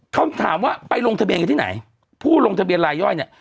คำถามว่าไปลงทะเบียนกันที่ไหนผู้ลงทะเบียนลายย่อยเนี่ย